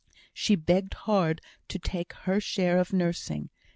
She begged hard to take her share of nursing.